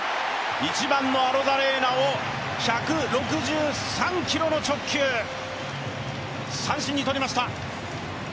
１番のアロザレーナを１６３キロの直球、三振にとりました。